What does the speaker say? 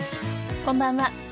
こんばんは。